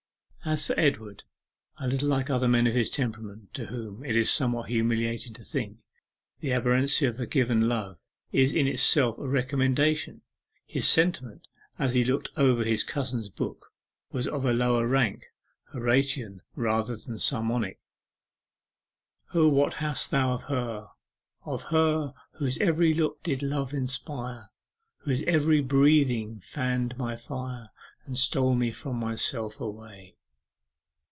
As for Edward a little like other men of his temperament, to whom, it is somewhat humiliating to think, the aberrancy of a given love is in itself a recommendation his sentiment, as he looked over his cousin's book, was of a lower rank, Horatian rather than Psalmodic 'O, what hast thou of her, of her Whose every look did love inspire; Whose every breathing fanned my fire, And stole me from myself away!